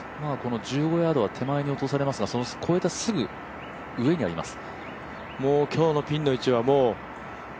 １５ヤードは手前に落とされますからそれを越えたすぐ上にあります。